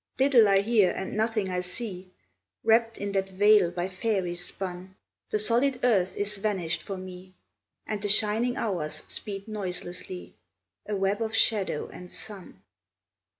Little I hear and nothing I see, Wrapped in that veil by fairies spun; The solid earth is vanished for me, And the shining hours speed noiselessly, A web of shadow and sun.